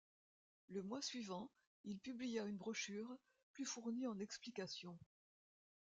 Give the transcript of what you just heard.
Le mois suivant, il publia une brochure, plus fournie en explications.